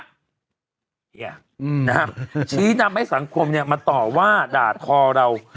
เนี่ยนะฮะชี้นำให้สังคมเนี่ยมาต่อว่าด่าทอเรา